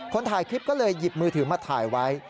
ถ่ายคลิปก็เลยหยิบมือถือมาถ่ายไว้